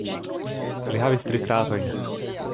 Li havis tri fratojn.